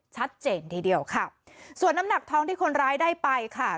ชัดเจนทีเดียวค่ะส่วนน้ำหนักทองที่คนร้ายได้ไปค่ะ